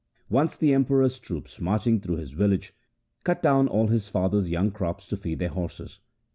Once the Emperor's troops marching through his village cut down all his father's young crops to feed their horses.